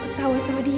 ketauan sama dia